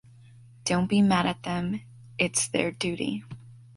Don’t be mad at them, it’s their duty.